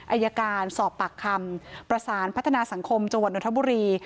อายการสอบปากคำประสานพัฒนาสังคมจังหวัดนทบุรี